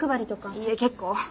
いいえ結構。